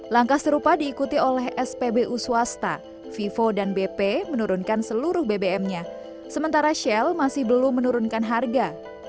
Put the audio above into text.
langkah serupa diikuti oleh spbu swasta vivo dan bp menurunkan seluruh bbm nya sementara shell masih belum menurunkan harga